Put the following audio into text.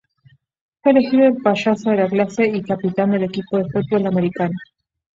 Fue elegido el payaso de la clase y capitán del equipo de fútbol americano.